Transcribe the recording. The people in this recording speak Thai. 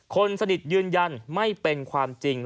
คนสนิทยืนยันไม่เป็นความจริง